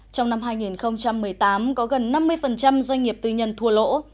trong năm hai nghìn một mươi tám có gần năm mươi doanh nghiệp tư nhân thua lỗ